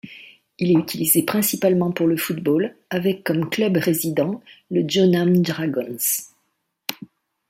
Il est utilisé principalement pour le football, avec comme club résident le Jeonnam Dragons.